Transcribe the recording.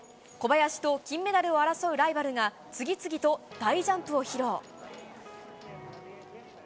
小林と金メダルを争うライバルが、次々と大ジャンプを披露。